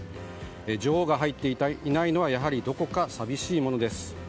女王が入っていないのはやはりどこか寂しいものです。